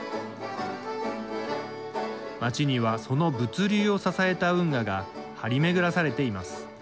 街には、その物流を支えた運河が張り巡らされています。